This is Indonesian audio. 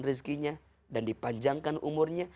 rizkinya dan dipanjangkan umurnya